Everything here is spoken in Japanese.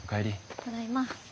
ただいま。